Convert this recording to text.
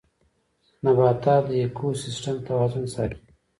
نباتات د ايکوسيستم توازن ساتي